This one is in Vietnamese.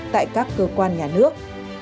tại các cơ quan nhà nước